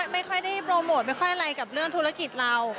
ไม่ค่อยได้โปรโมทไม่ค่อยอะไรกับเรื่องธุรกิจเรา